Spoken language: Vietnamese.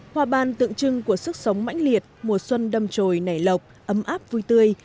hòa ban tượng trưng của sức sống mãnh liệt mùa xuân đâm trồi nảy lọc ấm áp vui tươi